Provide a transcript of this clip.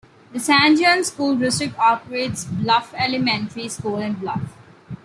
The San Juan School District operates Bluff Elementary School in Bluff.